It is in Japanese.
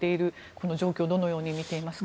この状況をどのように見ていますか？